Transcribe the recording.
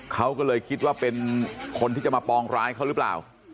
เขาก็เลยคิดว่าเป็นคนที่จะมาปองร้ายเขาหรือเปล่า